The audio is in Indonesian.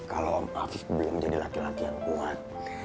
kalau om afif belum jadi laki laki yang kuat